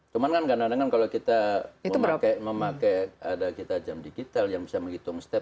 cuman kan kadang kadang kan kalau kita memakai ada kita jam digital yang bisa menghitung step